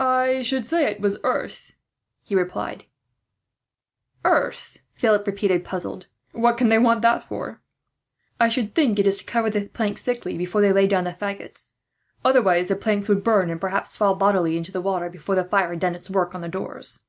"I should say it was earth," he replied "Earth?" Philip repeated, puzzled. "What can they want that for?" "I should think it is to cover the planks thickly, before they lay down the faggots; otherwise the planks would burn, and perhaps fall bodily in the water, before the fire had done its work on the doors."